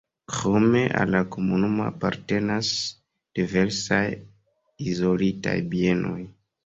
Krome al la komunumo apartenas diversaj izolitaj bienoj.